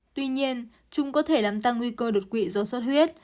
tuy nhiên chúng có thể làm tăng nguy cơ đột quỵ do sốt huyết